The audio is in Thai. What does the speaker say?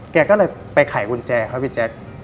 แกก็เลยไปไขกุญแจครับพี่แจ๊ค